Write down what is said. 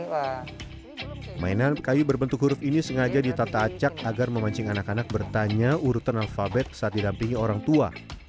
jadi kalau kita pakai mainan kayu berbentuk huruf ini sengaja ditata acak agar memancing anak anak bertanya urutan alfabet saat didampingi orang tua